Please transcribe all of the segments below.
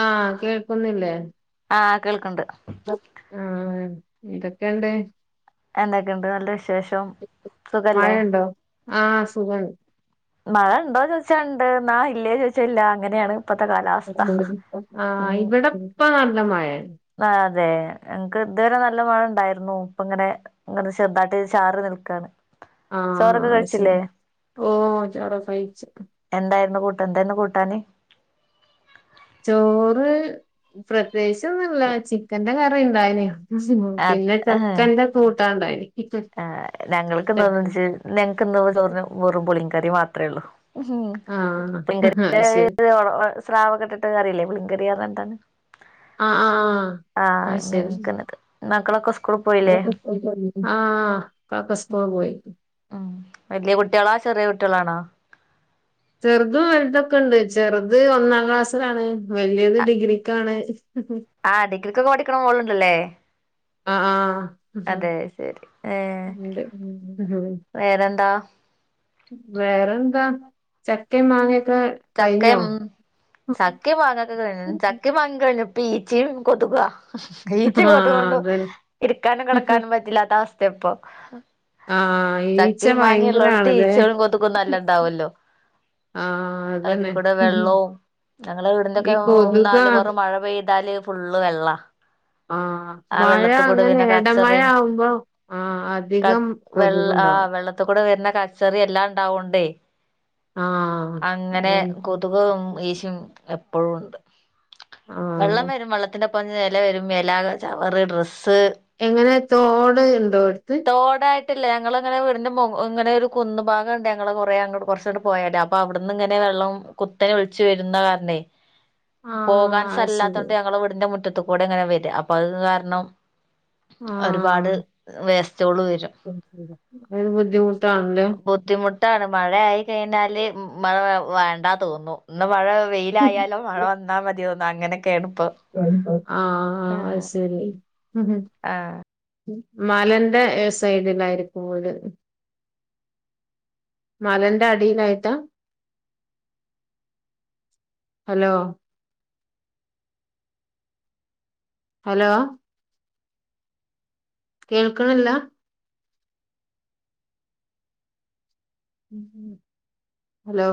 ആഹ് കേൾക്കുന്നില്ലേ ആഹ് കേൾക്കണ്ട് ആഹ് എന്തൊക്കെണ്ട് എന്തൊക്കെയുണ്ട് നല്ല വിശേഷം സുഖല്ലേ മഴയുണ്ടോ ആഹ് സുഖാണ് മഴ ഉണ്ടോ ചോദിച്ചാ ഉണ്ട് ന്നാ ഇല്ലയോ ചോദിച്ചോ ഇല്ല അങ്ങനെയാണ് ഇപ്പത്തെ കാലാ ആഹ് ഇവിടെ ഇപ്പ നല്ല മഴയ ആ അതെ എങ്ങക്ക് ഇതുവരെ നല്ല മഴ ഉണ്ടായിരുന്നു ഇപ്പ ഇങ്ങനെ ങ്ങനെ ചെറുതായിട്ട് ചാറി നിൽക്കാണ് ചോറൊക്കെ ആഹ് ശരി കഴിച്ചില്ലേ ഓ ചോറൊക്കെ വെയ്ച്ച് എന്തായിരുന്നു കൂട്ടാന് എന്തായിരുന്നു കൂട്ടാന് ചോറ് പ്രത്യേകിച്ചൊന്നുല്ല ചിക്കന്റെ കറി ഉണ്ടായിന് ആഹ് പിന്നെ ഏഹ് ചക്കന്റെ കൂട്ടാണ്ടായിന് ആഹ് ഞങ്ങൾക്ക് ന്ന് എന്താ വെ ഞങ്ങക്ക് ഇന്ന് ചചോറിന് വെറും പുളിങ്കറി മാത്രെ ഒള്ളു ഉ ആഹ് പങ്കക അത് ശരി സ്രാവ കെട്ടിട്ട് കറില്ലേ പുളിങ്കറി നറിഞ്ഞിട്ട് ആഹ് ആഹ് ആഹ് അത് ശരി അങ്ങനെത്തെതന്നെ മക്കളൊക്കെ സ്കൂള് പോയില്ലേ ആഹ് മക്കസ്കൂള് പോയി ഉം വല്യയ കുട്ടികളാ ചെറിയ കുട്ടികളാണോ ചെറുതും വലുതൊക്കെ ഉണ്ട് ചെറുത് ഒന്നാം ക്ലാസ്സിലാണ് വലിയത് ഡിഗ്രിക്കാണ് [unintelligible] ആഹ് ഡിഗ്രിക്കൊക്കെ പഠിക്കണ മോളുണ്ടല്ലേ അഹാ ആഹ് അതെ ശരി ഏഹ് ഇ ണ്ട് വേറെന്താ വേറെന്താ ചക്കേം മാങ്ങേക്കെ ചക്കയും ചക്കയും മാങ്ങക്ക കഴിഞ്ഞു ചക്ക മാങ്ങേം കഴിഞ്ഞു ഇപ്പൊ ഈച്ചിം കൊതുകാ ഈച്ചേം ആഹ് കൊത്‌കോണ്ടും അതന്നെ ഇരിക്കാനും കിടക്കാനും പറ്റില്ലാത്ത അവസ്ഥ ഇപ്പൊ ആഹ് ഈച്ച ചക്കേം ഭയങ്കര മാങ്ങിള്ളടത്ത് ആണല്ലേ ഈച്ചകളും കൊതുകും നല്ല ഉണ്ടാവല്ലോ ആഹ് അതന്നെ അതികൂടെ വെള്ളവും ഞങ്ങള് ഈ വീടിന്റെക്കെ കൊതുകാ നാലുപൊറം മഴ പെയ്താല് ഫുള്ള് വെള്ളാ ആഹ് ആ മഴ വെള്ളത്തിക്കൂടെ അങ്ങനെ പിന്നെ എടമഴ കച്ചറിം ആവുമ്പോ ആഹ് അധികം കൊതുകുണ്ടാവും ഇത്ത് കൂടെ വെര്ന്ന കച്ചറി എല്ലാ ഇണ്ടാവോണ്ടേ ആഹ് അങ്ങനെ കൊത്കും ഈച്ചും എപ്പഴും ഉണ്ട് വെള്ളം ആഹ് വരും വെള്ളത്തിന്റെപ്പം എല വരും എല ചവറ് ഡ്രെസ്സ് എങ്ങനെ തോട് ഇണ്ടോ അട്ത്ത് തോഡായിട്ടല്ല ഞങ്ങള് ഇങ്ങനെ വിട്ന്റെ മൊ ഇങ്ങനെ ഒര് കുന്ന് ഭാഗണ്ട് ഞങ്ങളെ കൊറേ അങ്ങിട് കൊർച്ച് അങ്ട് പോയാല് അപ്പ അവ്ട്ന്ന് ഇങ്ങനെ വെള്ളം കുത്തനെ ഒൽച്ച് വര്ന്ന കാരണേ [inaudible] പോകാൻ അത് ശരി സ്ഥലല്ലത്തോണ്ട് ഞങ്ങള് വീട്ന്റെ മുറ്റത്ത് കൂടെ ഇങ്ങനെ വെര അപ്പ അത് കാരണം ഒര് പാട് വേസ്റ്റോള് വരും ഉം അത് ബുദ്ധിമുട്ട് ആണല്ലേ ബുദ്ധിമുട്ടാണ് മഴയായി കഴിഞ്ഞാല് മഴ വേണ്ട തോന്നും ഇന്ന് മഴ വെയ്ലായാലും മഴ വന്നാ മതി അങ്ങനെക്കെണ് ഇപ്പൊ ആഹ് അത് ശരി ആഹ് മലന്റെ സൈഡിലായിരിക്കും വീട് മലന്റെ അടിലായിട്ടാ ഹലോ ഹലോ കേൾക്ക്‌ണില്ല ഹലോ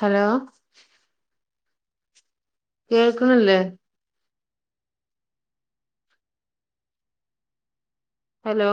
ഹലോ കേൾക്ക്‌ണില്ലേ ഹലോ